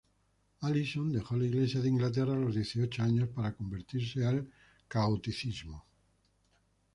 Alison dejó la Iglesia de Inglaterra a los dieciocho años, para convertirse al catolicismo.